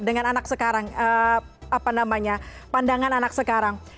dengan anak sekarang apa namanya pandangan anak sekarang